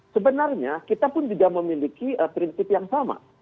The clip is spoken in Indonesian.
sebenarnya kita pun juga memiliki prinsip yang sama